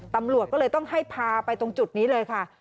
ตำรวจก็เลยต้องให้พาไปตรงจุดนี้เลยค่ะ